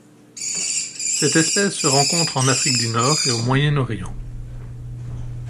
Cette espèce se rencontre en Afrique du Nord et au Moyen-Orient.